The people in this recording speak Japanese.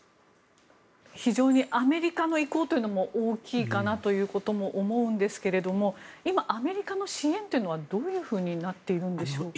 非常にアメリカの意向というのも大きいかと思うんですが今、アメリカの支援というのはどういうふうになっているんでしょうか。